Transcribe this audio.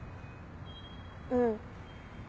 うん。